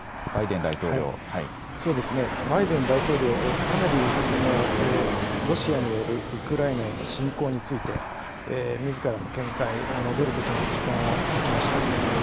けれバイデン大統領、かなり、ロシアによるウクライナへの侵攻について、みずからの見解を述べることに時間を割きました。